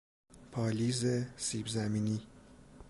پالیز سیب زمینی